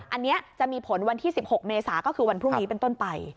อันนี้จะมีผลวันที่๑๖เมษาก็คือวันพรุ่งนี้เป็นต้นไป